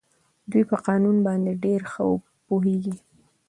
دوی په قانون باندې ډېر ښه پوهېږي.